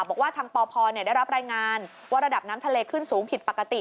บอกว่าทางปพได้รับรายงานว่าระดับน้ำทะเลขึ้นสูงผิดปกติ